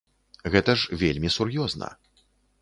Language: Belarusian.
Гэта ж вельмі сур'ёзна.